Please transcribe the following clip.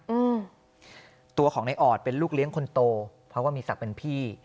อืมตัวของในออดเป็นลูกเลี้ยงคนโตเพราะว่ามีศักดิ์เป็นพี่